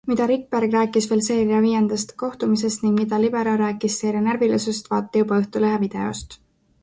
Mida Rikberg rääkis veel seeria viiendast kohtumisest ning mida libero rääkis seeria närvilisusest, vaata juba Õhtulehe videost!